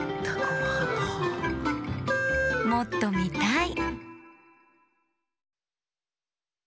もっとみたい！